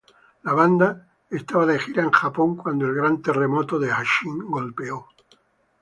La banda estaba de gira en Japón cuando el gran terremoto de Hanshin golpeó.